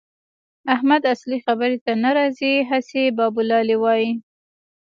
احمد اصلي خبرې ته نه راځي؛ هسې بابولالې وايي.